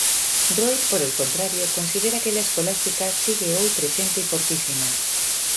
Roiz, por el contrario, considera que la escolástica sigue hoy presente y fortísima.